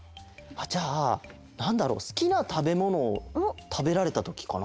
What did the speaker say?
じゃあなんだろうすきなたべものをたべられたときかな？